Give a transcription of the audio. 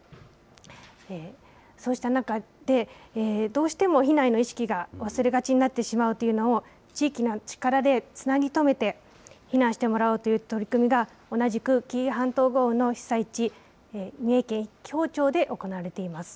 そうした中で、どうしても避難への意識が忘れがちになってしまうというのを、地域の力でつなぎ止めて避難してもらおうという取り組みが、同じく紀伊半島豪雨の被災地、三重県紀宝町で行われています。